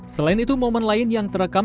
selain itu momen lain yang terekam